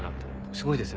すごいですね